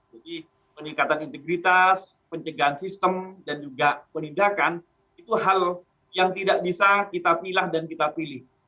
jadi peningkatan integritas pencegahan sistem dan juga penindakan itu hal yang tidak bisa kita pilih dan kita pilih